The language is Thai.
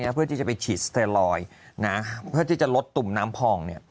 เพื่อที่จะไปฉีดสเตรลอยเพื่อที่จะลดตุ่มน้ำพอง